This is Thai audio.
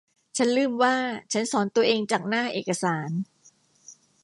ฉันลืมว่าฉันสอนตัวเองจากหน้าเอกสาร